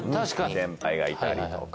先輩がいたりとか。